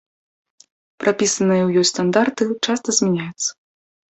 Прапісаныя ў ёй стандарты часта змяняюцца.